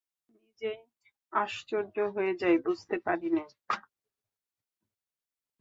নিজেই আশ্চর্য হয়ে যাই, বুঝতে পারি নে।